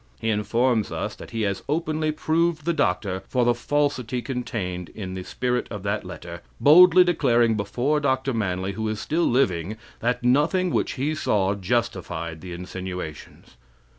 He informs us that he has openly proved the doctor for the falsity contained in the spirit of that letter, boldly declaring before Dr. Manly, who is still living, that nothing which he saw justified the insinuations.